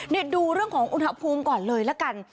นี่ดูเรื่องของอุณหภูมิก่อนเลยละกัน